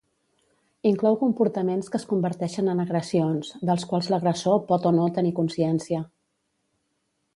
Inclou comportaments que es converteixen en agressions, dels quals l'agressor pot o no tenir consciència.